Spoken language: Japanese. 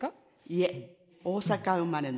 いえ。